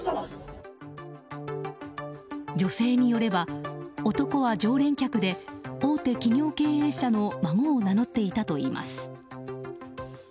女性によれば男は常連客で大手企業経営者の孫を名乗っていたといいます。